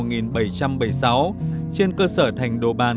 trên cơ sở thành đồ bàn